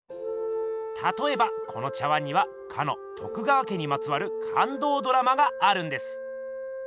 たとえばこの茶碗にはかの徳川家にまつわる感動ドラマがあるんです。